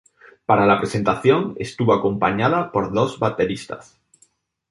Para la presentación, estuvo acompañada por dos bateristas.